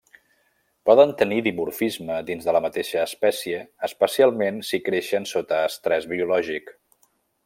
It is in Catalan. Poden tenir dimorfisme dins de la mateixa espècie especialment si creixen sota estrès biològic.